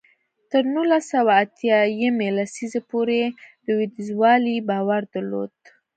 تر نولس سوه اتیا یمې لسیزې پورې لوېدیځوالو باور درلود.